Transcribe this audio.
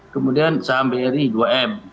kemudian saham bri dua m